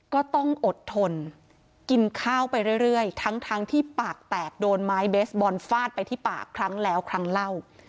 ก็ต้องอดทนกินข้าวไปเรื่อยทั้งที่ปากแตกโดนไม้เบสบอลฟาดไปที่ปากครั้งแล้วครั้งเล่า